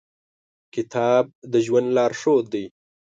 کتاب د ژوند لارښود دی.